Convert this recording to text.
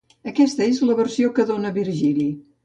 Aquesta és la versió que dóna Virgili.